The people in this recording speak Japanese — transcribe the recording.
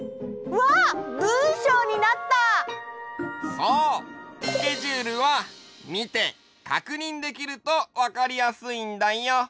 そうスケジュールはみてかくにんできるとわかりやすいんだよ。